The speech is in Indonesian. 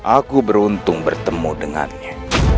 aku beruntung bertemu dengannya